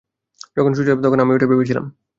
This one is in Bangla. যখন শুনেছিলাম তখন আমিও এটাই ভেবেছিলাম।